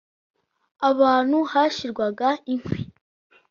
ahantu hashyirwaga inkwi